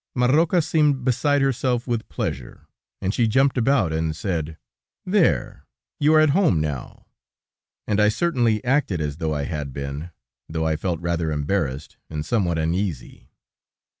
Marroca seemed beside herself with pleasure, and she jumped about, and said: "There, you are at home, now." And I certainly acted as though I had been, though I felt rather embarrassed and somewhat uneasy.